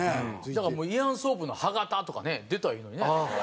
だからもうイアン・ソープの歯形とかね出たらいいのにね。